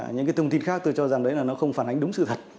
những thông tin khác tôi cho rằng đó không phản ánh đúng sự thật